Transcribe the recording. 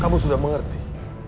kamu sudah mengerti